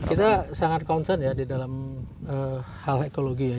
kita sangat concern ya di dalam hal ekologi ya